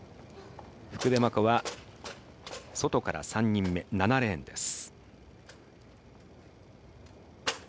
福部真子は外から３人目７レーンです。